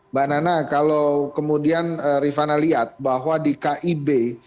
mbak nana kalau kemudian rifana lihat bahwa di kib